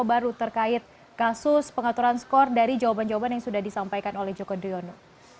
baru terkait kasus pengaturan skor dari jawaban jawaban yang sudah disampaikan oleh joko driono